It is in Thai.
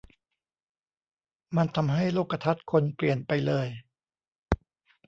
มันทำให้โลกทัศน์คนเปลี่ยนไปเลย